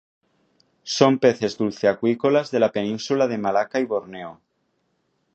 Son peces dulceacuícolas de la península de Malaca y Borneo.